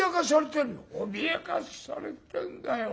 「脅かされてんだよ。